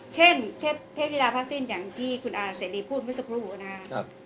เช่นเทพฤราภัศนีย์อย่างที่คุณอาาเสรีพูดไว้ซักรูปนะคะ